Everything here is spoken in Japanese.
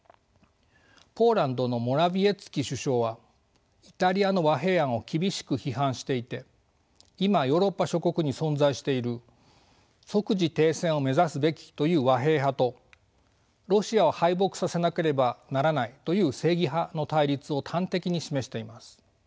ポーランドのモラヴィエツキ首相はイタリアの和平案を厳しく批判していて今ヨーロッパ諸国に存在している即時停戦を目指すべきという和平派とロシアを敗北させなければならないという正義派の対立を端的に示しています。